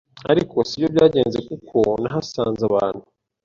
ariko siko byagenze kuko nahasanze abantu